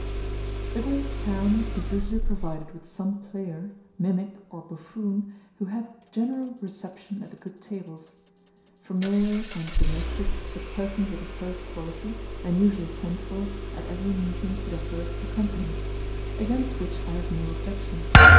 The great town is usually provided with some player, mimic or buffoon, who hath a general reception at the good tables; familiar and domestic with persons of the first quality, and usually sent for at every meeting to divert the company; against which I have no objection.